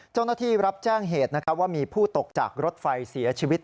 เจ้าหน้าที่รับแจ้งเหตุว่ามีผู้ตกจากรถไฟเสียชีวิต